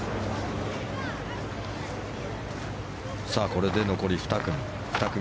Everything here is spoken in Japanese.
これで残り２組。